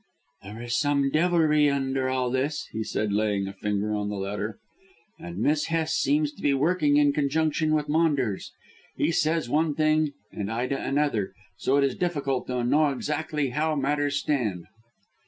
"There is some devilry under all this," he said, laying a finger on the letter, "and Miss Hest seems to be working in conjunction with Maunders. He says one thing and Ida another, so it is difficult to know exactly how matters stand."